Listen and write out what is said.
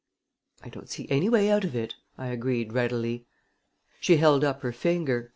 "I don't see any way out of it," I agreed readily. She held up her finger.